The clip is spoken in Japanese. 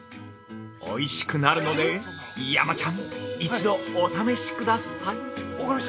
◆おいしくなるので山ちゃん、一度お試しください。